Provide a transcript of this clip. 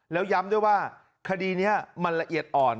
แล้วย้ำด้วยว่าคดีนี้มันละเอียดอ่อน